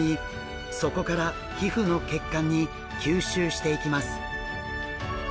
そこから皮膚の血管に吸収していきます。